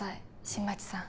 新町さん